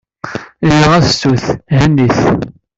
Ihi ɣas ttu-tt. Henni-tt.